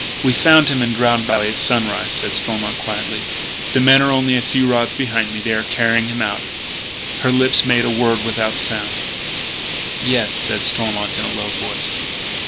"We found him in Drowned Valley at sunrise," said Stormont quietly. "The men are only a few rods behind me. They are carrying him out." Her lips made a word without sound. "Yes," said Stormont in a low voice.